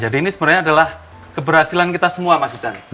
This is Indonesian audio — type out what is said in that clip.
jadi ini sebenarnya adalah keberhasilan kita semua mas ican